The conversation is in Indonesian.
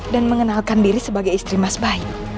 dan mengenalkan diri sebagai istri mas bayu